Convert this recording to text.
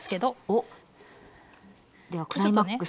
おっではクライマックスというか。